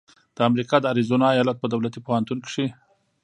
د امریکا د اریزونا ایالت په دولتي پوهنتون کې